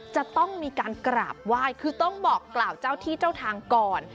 จะต้องมีการกราบไหว้คือต้องบอกกล่าวเจ้าที่เจ้าทางก่อน